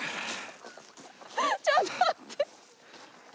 ちょっと待って。